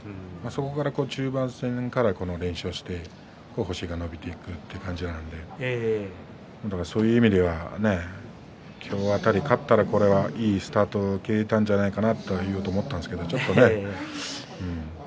そこから中盤戦から連勝していって星が伸びていくという感じなのでそういう意味では今日辺り勝ったら、これはいいスタートを切れたんじゃないかなと言おうと思ったんですけど、ちょっとね。